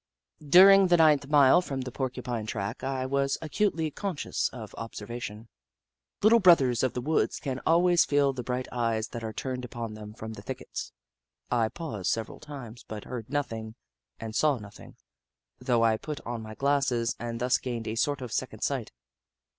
During the ninth mile from the Porcupine track, I was acutely conscious of observation. Little Brothers of the Woods can always feel the bright eyes that are turned upon them from the thickets. I paused several times, but heard nothing and saw nothing, though I put on my glasses and thus gained a sort of second sight.